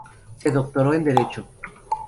Se doctoró en derecho.